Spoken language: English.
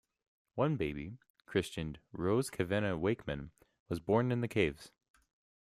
One baby, christened Rose Cavena Wakeman, was born in the caves.